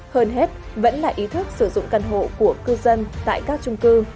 hơn hết vẫn là ý thức sử dụng căn hộ của cư dân tại các trung cư